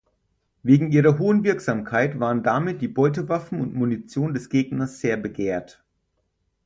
Wegen ihrer hohen Wirksamkeit waren damit die Beutewaffen und -munition des Gegners sehr begehrt.